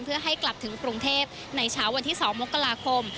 เพื่อให้กลับถึงกรุงเทพในเช้าวันที่๒มกราคม